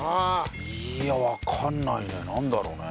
いやわかんないね。